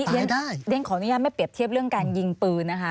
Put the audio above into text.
เรียนขออนุญาตไม่เปรียบเทียบเรื่องการยิงปืนนะคะ